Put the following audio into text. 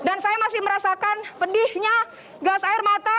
dan saya masih merasakan pedihnya gas air mata